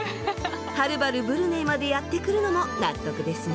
はるばるブルネイまでやって来るのも納得ですね。